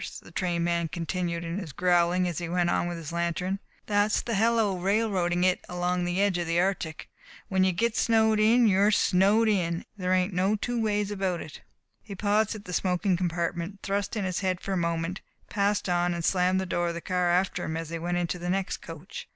the train man continued his growling as he went on with his lantern. "That's the hell o' railroading it along the edge of the Arctic. When you git snowed in you're snowed in, an' there ain't no two ways about it!" He paused at the smoking compartment, thrust in his head for a moment, passed on and slammed the door of the car after him as he went into the next coach.